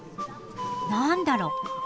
何だろう？